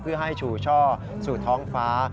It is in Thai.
เพื่อให้ชูช่อสู่ท้องฟ้า